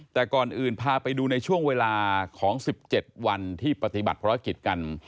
แต่ก่อนอื่นพาไปดูในช่วงเวลาของ๑๗วันที่ปฏิบัติภารกิจกัน